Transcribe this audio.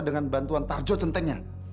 dengan bantuan tarjo centengnya